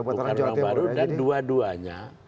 bukan orang baru dan dua duanya